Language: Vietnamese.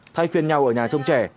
thay phiên nhau ở nhà trong trẻ